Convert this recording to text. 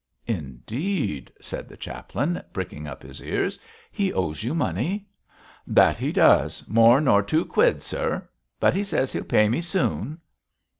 'Indeed,' said the chaplain, pricking up his ears, 'he owes you money?' 'That he does; more nor two quid, sir. But he says he'll pay me soon.'